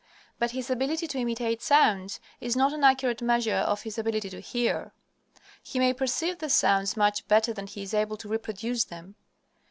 But his ability to imitate sounds is not an accurate measure of his ability to hear. He may perceive the sounds much better than he is able to reproduce them.